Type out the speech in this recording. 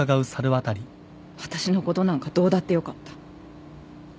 私のことなんかどうだってよかった。